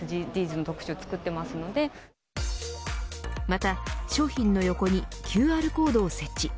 また商品の横にＱＲコードを設置。